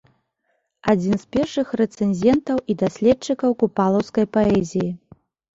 Адзін з першых рэцэнзентаў і даследчыкаў купалаўскай паэзіі.